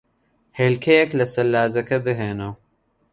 هێلکەیەک لە سەلاجەکە بھێنە.